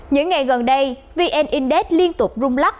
những ngày gần đây vn index liên tục rung lắc